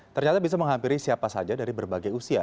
ternyata bisa menghampiri siapa saja dari berbagai usia